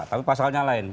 tapi pasalnya lain